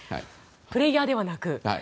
プレーヤーではなく。